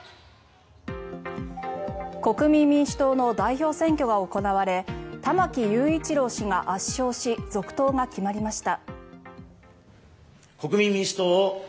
国民民主党の代表選挙が行われ玉木雄一郎氏が圧勝し続投が決まりました。